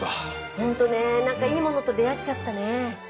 ホントねなんかいいものと出会っちゃったね。